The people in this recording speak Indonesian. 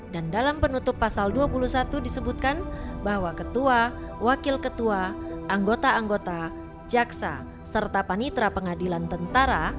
dan dalam penutup pasal dua puluh satu disebutkan bahwa ketua wakil ketua anggota anggota jaksa serta panitra pengadilan tentara